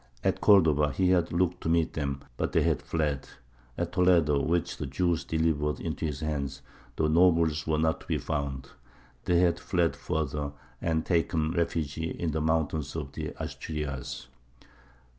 At Cordova he had looked to meet them, but they had fled: at Toledo, which the Jews delivered into his hands, the nobles were not to be found; they had fled further, and taken refuge in the mountains of the Asturias.